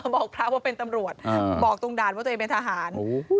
บอกพระว่าเป็นตำรวจบอกตรงด่านว่าตัวเองเป็นทหาร